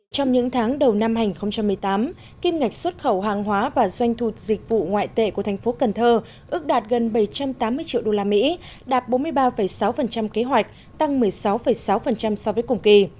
trong những tháng đầu năm hai nghìn một mươi tám kim ngạch xuất khẩu hàng hóa và doanh thu dịch vụ ngoại tệ của thành phố cần thơ ước đạt gần bảy trăm tám mươi triệu usd đạt bốn mươi ba sáu kế hoạch tăng một mươi sáu sáu so với cùng kỳ